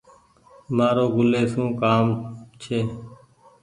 مآرو گل لي سون ڪآم ڇي۔